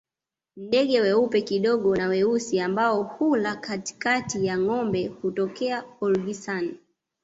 Ndege weupe kidogo na weusi ambao hula katikati ya ngombe hutokea Olgisan